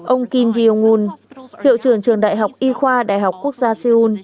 ông kim ji ung hiệu trưởng trường đại học y khoa đại học quốc gia seoul